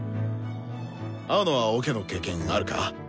青野はオケの経験あるか？